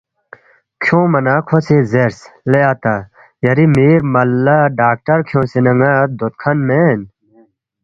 کھیونگما نہ کھو سی زیرس، ”لے اتا یری میر مَلّا ڈاکٹر کھیونگسے ن٘ا دود کھن مین